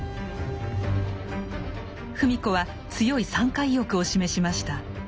芙美子は強い参加意欲を示しました。